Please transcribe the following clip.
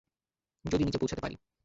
যদি নিচে পৌঁছাতে পারি।